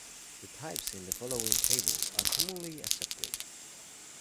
The types in the following table are commonly accepted.